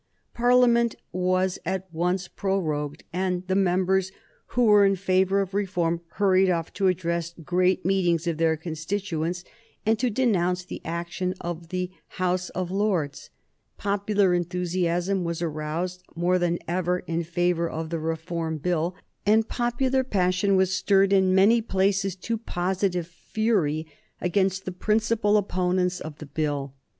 Parliament was at once prorogued, and the members who were in favor of reform hurried off to address great meetings of their constituents, and to denounce the action of the House of Lords. Popular enthusiasm was aroused more than ever in favor of the Reform Bill, and popular passion was stirred in many places to positive fury against the principal opponents of the Bill.